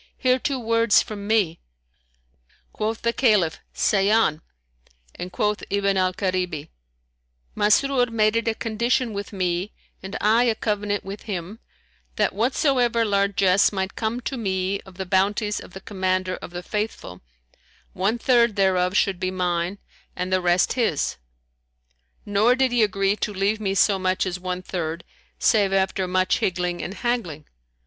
Hear two words from me." Quoth the Caliph, "Say on," and quoth Ibn al Karibi, "Masrur made it a condition with me and I a covenant with him, that whatsoever largesse might come to me of the bounties of the Commander of the Faithful, one third thereof should be mine and the rest his; nor did he agree to leave me so much as one third, save after much higgling and haggling.